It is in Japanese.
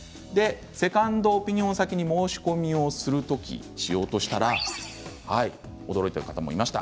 セカンドオピニオン先に申し込みをしようとしたら驚いた方もいました。